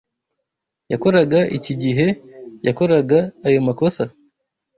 Yakoraga iki igihe yakoraga ayo makosa?